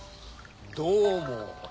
どうも。